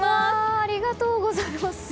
ありがとうございます。